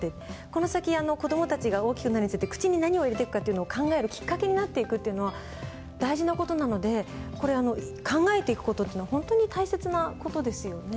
この先子供たちが大きくなるにつれて口に何を入れていくかというのを考えるきっかけになっていくというのは大事な事なので考えていく事っていうのは本当に大切な事ですよね。